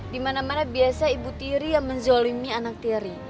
dimana mana biasa ibu tiri yang menzolimi anak tiri